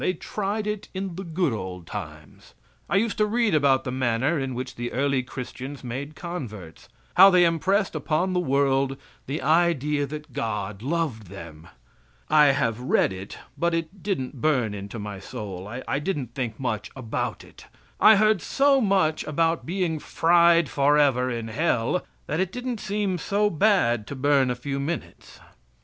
They tried it in the "good old times." I used to read about the manner in which the early Christians made converts how they impressed upon the world the idea that God loved them. I have read it, but it didn't burn into my soul. I didn't think much about it I heard so much about being fried forever in Hell that it didn't seem so bad to burn a few minutes.